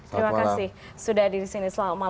terima kasih sudah hadir di sini